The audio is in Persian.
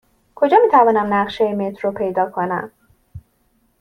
کجا می توانم نقشه مترو پیدا کنم؟